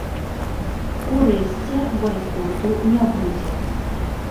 Урэшце, байкоту не будзе.